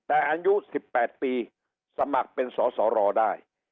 แต่อายุ๑๘ปีสมัครเป็นสสรได้